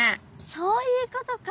そういうことか。